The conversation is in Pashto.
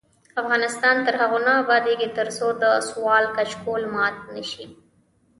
افغانستان تر هغو نه ابادیږي، ترڅو د سوال کچکول مات نشي.